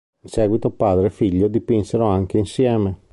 In seguito padre e figlio dipinsero anche insieme.